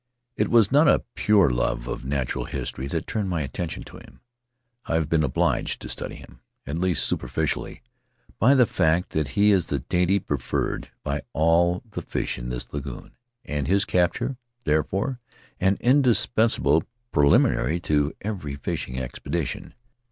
It was not a pure love of natural history that turned my attention to him; I have been obliged to study him — at least super ficially — by the fact that he is the dainty preferred by all the fish of this lagoon, and his capture, therefore, an indispensable preliminary to every fishing expedition.